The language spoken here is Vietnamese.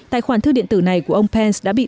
tài khoản thư điện tử này của ông pence đã bị phá hủy